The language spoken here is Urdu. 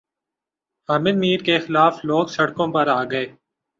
حامد میر کے خلاف لوگ سڑکوں پر آگۓ